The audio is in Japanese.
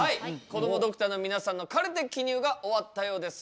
こどもドクターの皆さんのカルテ記入が終わったようです。